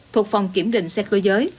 thuộc phòng kiểm định xe cơ giới